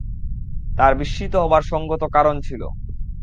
তাঁর বিস্মিত হবার সঙ্গত কারণ ছিল।